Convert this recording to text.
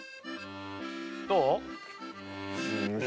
どう？